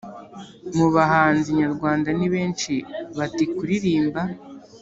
mubahanzi nyarwanda ni benshi bati kuririmba